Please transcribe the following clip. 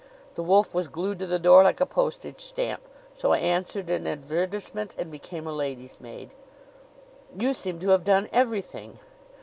The wolf was glued to the door like a postage stamp; so I answered an advertisement and became a lady's maid." "You seem to have done everything."